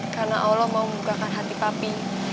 karena allah mau membukakan hati papi